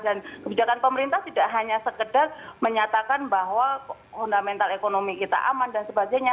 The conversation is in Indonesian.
dan kebijakan pemerintah tidak hanya sekedar menyatakan bahwa fundamental ekonomi kita aman dan sebagainya